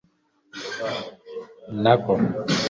nako